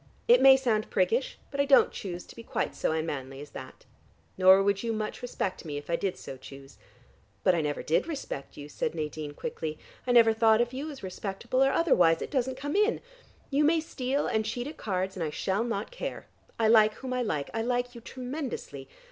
It may sound priggish, but I don't choose to be quite so unmanly as that. Nor would you much respect me if I did so choose." "But I never did respect you," said Nadine quickly. "I never thought of you as respectable or otherwise. It doesn't come in. You may steal and cheat at cards, and I shall not care. I like whom I like: I like you tremendously.